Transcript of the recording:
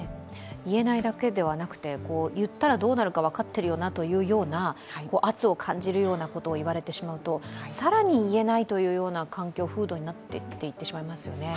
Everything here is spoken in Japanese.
言えないだけではなくて言ったらどうなるか分かってるよな、というような圧を感じるようなことを言われてしまうと更に言えない環境、風土になっていってしまいますよね。